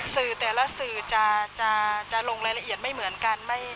สื่อแต่ละสื่อจะลงรายละเอียดไม่เหมือนกัน